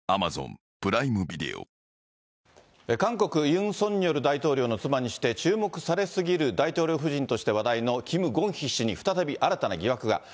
ユン・ソンニョル大統領の妻にして注目され過ぎる大統領夫人として話題のキム・ゴンヒ氏に再び新たな疑惑が。